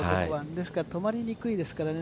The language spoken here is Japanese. ですから止まりにくいですからね